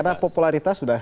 karena popularitas sudah